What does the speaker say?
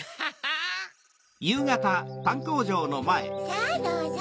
さぁどうぞ。